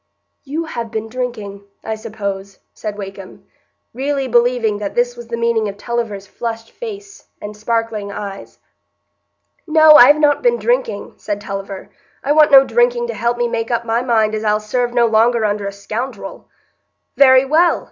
"You have been drinking, I suppose," said Wakem, really believing that this was the meaning of Tulliver's flushed face and sparkling eyes. "No, I've not been drinking," said Tulliver; "I want no drinking to help me make up my mind as I'll serve no longer under a scoundrel." "Very well!